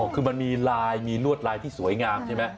คือมันมีลายมีลวดลายที่สวยงามใช่ไหม